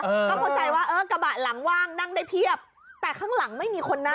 เข้าใจว่าเออกระบะหลังว่างนั่งได้เพียบแต่ข้างหลังไม่มีคนนั่ง